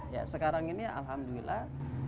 ya sekarang ini alhamdulillah